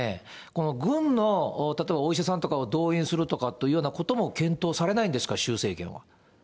この軍の例えばお医者さんとかを動員するとかというようなことも、検討されないんですか、習政権は。